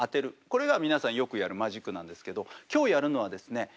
これが皆さんよくやるマジックなんですけど今日やるのはですね